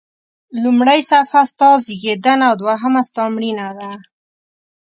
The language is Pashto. لومړۍ صفحه ستا زیږېدنه او دوهمه ستا مړینه ده.